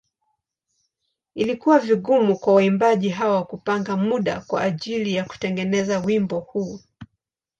Ilikuwa vigumu kwa waimbaji hawa kupanga muda kwa ajili ya kutengeneza wimbo huu.